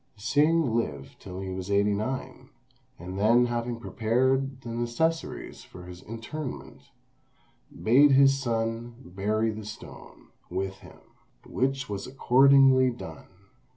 Hsing lived till he was eighty nine; and then having prepared the necessaries for his interment, bade his son bury the stone with him, which was accordingly done.